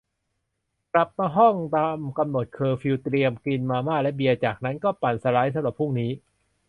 กลับมาห้อง ตามกำหนดเคอร์ฟิว เตรียมกินมาม่า และเบียร์ จากนั้นก็ปั่นสไลด์ สำหรับพรุ่งนี้